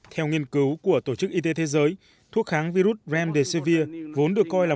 theo nghiên cứu của tổ chức y tế thế giới thuốc kháng virus remdesivir vốn được coi là